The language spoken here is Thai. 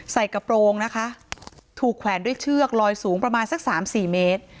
กระโปรงนะคะถูกแขวนด้วยเชือกลอยสูงประมาณสักสามสี่เมตร